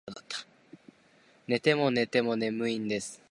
寝ても寝ても眠いんです